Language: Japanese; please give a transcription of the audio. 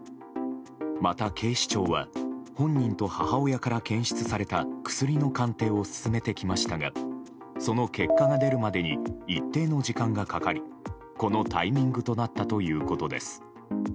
また、警視庁は本人と母親から検出された薬の鑑定を進めてきましたがその結果が出るまでに一定の時間がかかりこのタイミングとなったということです。